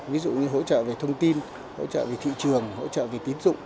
ví dụ như hỗ trợ về thông tin hỗ trợ về thị trường hỗ trợ về tín dụng